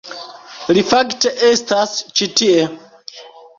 Li fakte estas ĉi tie